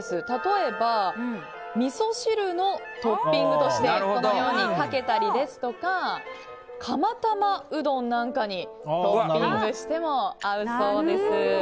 例えばみそ汁のトッピングとしてこのようにかけたりですとかかまたまうどんなんかにトッピングしても合うそうです。